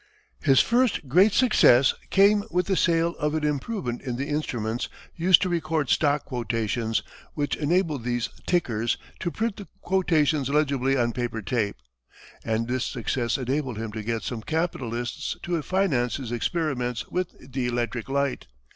His first great success came with the sale of an improvement in the instruments used to record stock quotations, which enabled these "tickers" to print the quotations legibly on paper tape, and this success enabled him to get some capitalists to finance his experiments with the electric light.